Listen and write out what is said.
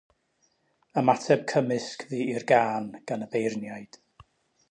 Ymateb cymysg fu i'r gân gan y beirniaid.